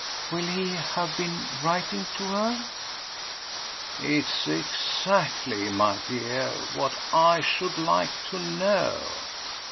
"Will he have been writing to her?" "It's exactly, my dear, what I should like to know!"